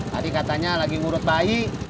tadi katanya lagi ngurut bayi